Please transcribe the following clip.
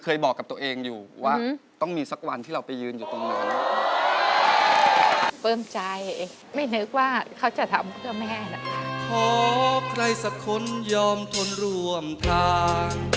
เพราะใครสักคนยอมทนร่วมทาง